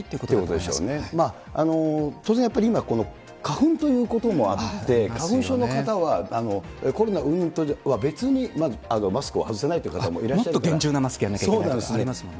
当然やっぱり今この花粉ということもあって、花粉症の方は、コロナうんぬんとは別にまずマスクを外せないという方もいらっしもっと厳重なマスクをやんなきゃいけないということもありますもんね。